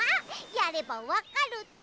やればわかるって。